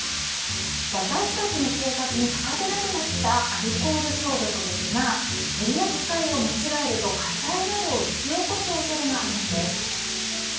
私たちの生活に欠かせなくなったアルコール消毒ですが取り扱いを間違えると火災などを引き起こす恐れがあるんです。